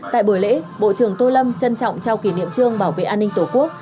tại buổi lễ bộ trưởng tô lâm trân trọng trao kỷ niệm trương bảo vệ an ninh tổ quốc